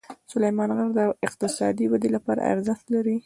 سلیمان غر د اقتصادي ودې لپاره ارزښت لري.